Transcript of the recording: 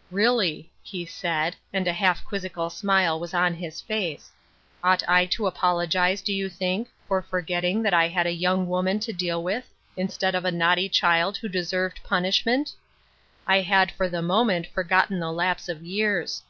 " Really," he said, and a half quizzical smile was on his face, "ought I to apologize, do you think, for forgetting that I had a young woman to deal with, instead of a naughty child who deserved punishment ? I had for the moment forgotten the lapse of years.